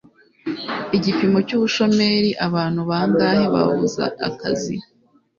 igipimo cy'ubushomeri abantu bangahe babuze akazi